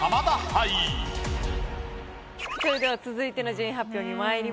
それでは続いての順位発表にまいります。